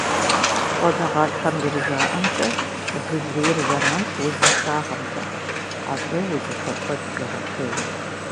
ЩӀэныгъэлӀхэм зэрыжаӀэмкӀэ, лы лейр зэранщ узыншагъэмкӀэ, абы узыфэ куэд къегъэхъей.